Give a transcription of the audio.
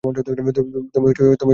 তুমি সত্যিই আমার হিরো।